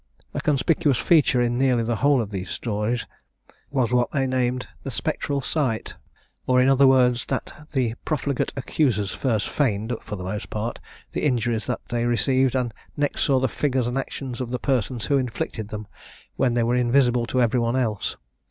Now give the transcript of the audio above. A conspicuous feature in nearly the whole of these stories, was what they named "the spectral sight," or, in other words, that the profligate accusers first feigned, for the most part, the injuries they received, and next saw the figures and action of the persons who inflicted them, when they were invisible to every one else.